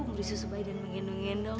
menyusui bayi dan mengindungi dong